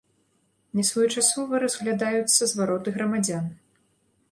Нясвоечасова разглядаюцца звароты грамадзян.